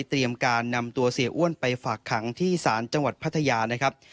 เตรียมการนำตัวเสียอ้วนไปฝักจังหวัดพัทยานะครับ